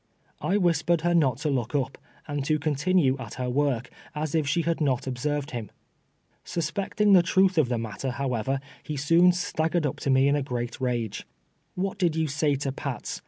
I whispered her not to look up, and to continue at her work, as if she had not ob served him. Suspecting the truth of the matter, however, he soon staggered up to me in a great rage. 228 TWELVE YEARS A SLAVE. " Wluit <1I(1 you say to Pats?"